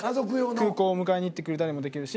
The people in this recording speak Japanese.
空港迎えに行ってくれたりもできるし。